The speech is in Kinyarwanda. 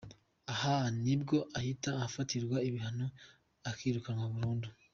Aha nibwo ahita afatirwa ibihano akirukanwa burundu.